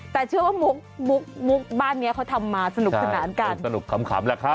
แต่เชื่อว่ามุกมุกมุกบ้านเนี้ยเขาทำมาสนุกสนานกันสนุกขำแหละครับ